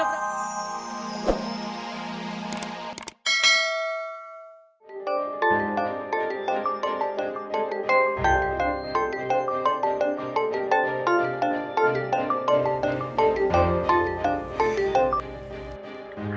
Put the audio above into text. aduh aku mau ke rumah